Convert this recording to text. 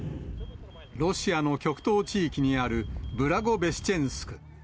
ロシアの極東地域にあるブラゴベシチェンスク。